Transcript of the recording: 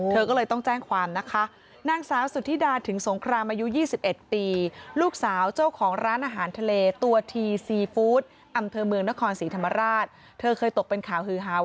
เธอก็เลยต้องแจ้งความนะคะ